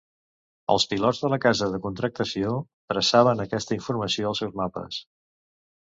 Els pilots de la Casa de Contractació traçaven aquesta informació als seus mapes.